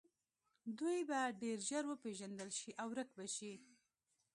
دوی به ډیر ژر وپیژندل شي او ورک به شي